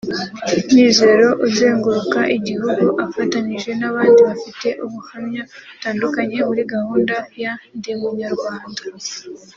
Mizero uzenguruka igihugu afatanije n’abandi bafite ubuhamya butandukanye muri gahunda ya “Ndi Umunyarwanda”